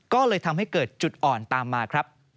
ก็เลยทำให้เกิดจุดอ่อนตามมาครับ